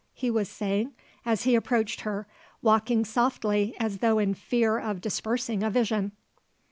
he was saying, as he approached her, walking softly as though in fear of dispersing a vision.